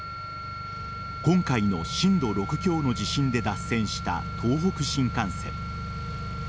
今回の震度６強の地震で脱線した、東北新幹線。